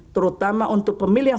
terutama untuk pemilih yang